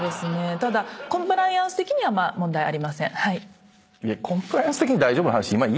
ただコンプライアンス的には問題ありません。